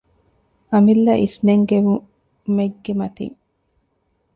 އަމިއްލަ އިސްނެންގެވުމެއްގެ މަތިން